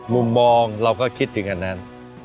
มุมมองเราก็คิดถึงอันนั้น